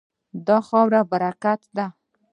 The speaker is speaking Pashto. دا خاوره برکتي ده.